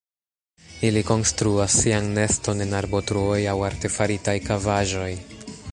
Ili konstruas sian neston en arbotruoj aŭ artefaritaj kavaĵoj.